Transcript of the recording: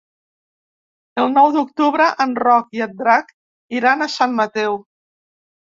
El nou d'octubre en Roc i en Drac iran a Sant Mateu.